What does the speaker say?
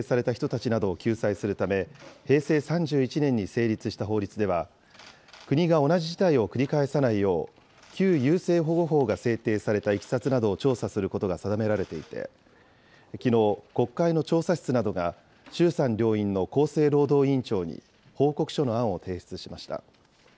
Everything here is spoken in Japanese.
不妊手術を強制された人たちなどを救済するため、平成３１年に成立した法律では、国が同じ事態を繰り返さないよう、旧優生保護法が制定されたいきさつなどを調査することが定められていて、きのう、国会の調査室などが衆参両院の厚生労働委員長に報告書の案を提出しました。